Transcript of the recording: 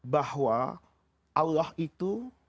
bahwa allah itu